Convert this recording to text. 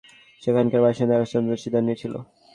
সেখানকার বাসিন্দারা স্থানান্তরের সিদ্ধান্ত নিয়েছিল।